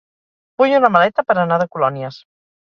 Vull una maleta per anar de colònies.